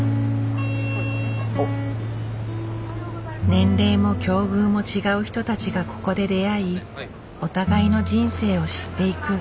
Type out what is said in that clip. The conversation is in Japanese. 年齢も境遇も違う人たちがここで出会いお互いの人生を知っていく。